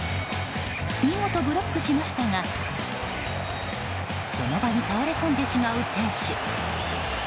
見事ブロックしましたがその場に倒れ込んでしまう選手。